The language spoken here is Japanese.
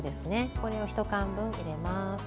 これをひと缶分、入れます。